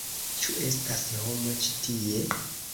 Ĉu estas homo ĉi tie?